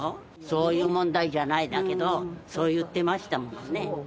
そういう問題じゃないだけど、そう言ってましたものね。